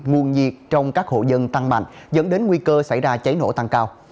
nguồn nhiệt trong các hộ dân tăng mạnh dẫn đến nguy cơ xảy ra cháy nổ tăng cao